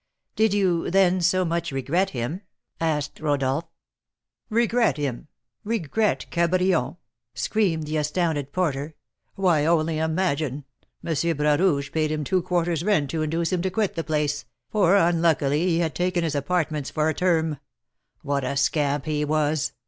"Did you, then, so much regret him?" asked Rodolph. "Regret him! Regret Cabrion!" screamed the astounded porter; "why, only imagine, M. Bras Rouge paid him two quarters' rent to induce him to quit the place, for, unluckily, he had taken his apartments for a term. What a scamp he was!